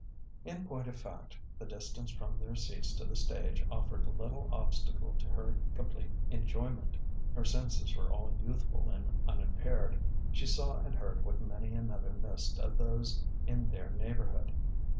In point of fact, the distance from their seats to the stage offered little obstacle to her complete enjoyment: her senses were all youthful and unimpaired; she saw and heard what many another missed of those in their neighbourhood.